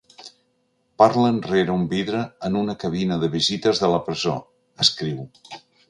Parlen rere un vidre en una cabina de visites de la presó, escriu.